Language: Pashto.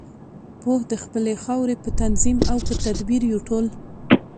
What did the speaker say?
پوه د خپلې خاورې په تنظیم او په تدبیر یو ټول.